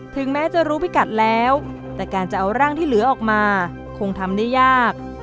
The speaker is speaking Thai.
ถึงแม้จะรู้พิกัดแล้วแต่การจะเอาร่างที่เหลือออกมาคงทำได้ยาก